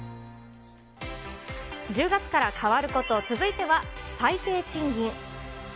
１０月から変わること、続いては最低賃金。